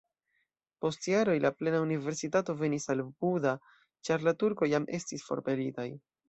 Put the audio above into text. Post jaroj la plena universitato venis al Buda, ĉar la turkoj jam estis forpelitaj.